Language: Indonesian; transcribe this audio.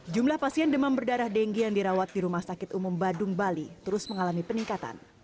jumlah pasien demam berdarah dengue yang dirawat di rumah sakit umum badung bali terus mengalami peningkatan